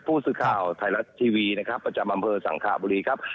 ผู้สื่อข่าวไทยรัฐทีวีนะครับประจำอำเภอสังขบุรีครับ